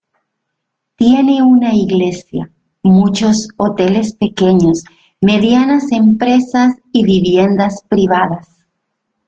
Tiene una iglesia, muchos hoteles pequeños, medianas empresas y viviendas privadas.